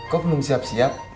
kok belum siap siap